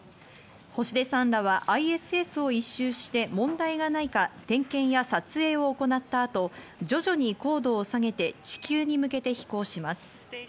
星出さんらはＩＳＳを１周して、問題がないか点検や撮影を行った後、徐々に高度を下げて地球に向けて飛行します。